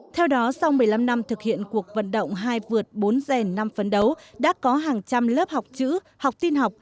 theo đó sau một mươi năm năm thực hiện cuộc vận động hai vượt bốn rèn năm phấn đấu đã có hàng trăm lớp học chữ học tin học